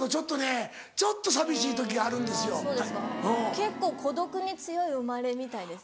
結構孤独に強い生まれみたいです。